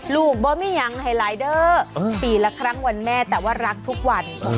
บ่มียังไฮไลเด้อปีละครั้งวันแม่แต่ว่ารักทุกวัน